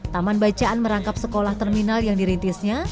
taman bacaan merangkap sekolah terminal yang dirintisnya